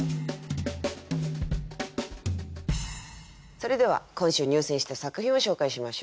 それでは今週入選した作品を紹介しましょう。